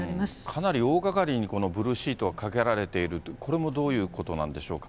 かなり大がかりにブルーシートがかけられていると、これもどういうことなんでしょう。